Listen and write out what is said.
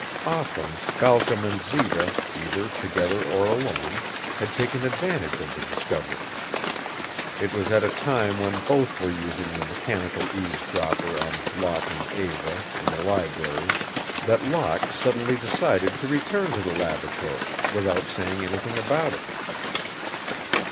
Often Balcom and Zita, either together or alone, had taken advantage of the discovery. It was at a time when both were using the mechanical eavesdropper on Locke and Eva in the library that Locke suddenly decided to return to the laboratory, without saying anything about it.